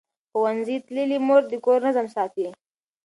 ښوونځې تللې مور د کور نظم ساتي.